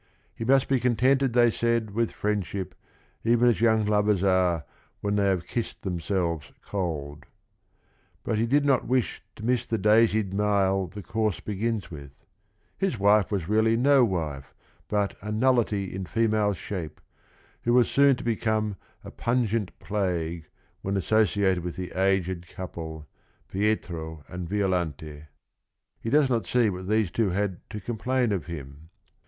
He must be contented, they said, with friendship, even as young lovers are, when they have kissed themselves cold. But he did not wish "to miss the daisied mile the course begins with." His wife was really no wife, but "a nullity in female shape," who was soon to become a "pungent plague," when associated with the aged couple — Pietro and Violante. He does not see what these two had to complain of him.